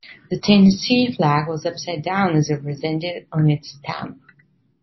The Tennessee flag was upside down as represented on its stamp.